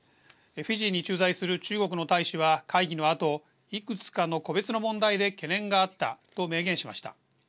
フィジーに駐在する中国の大使は会議のあといくつかの個別の問題で懸念があったと明言しました。